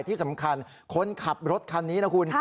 ที่สำคัญคนขับรถคันนี้นะคุณ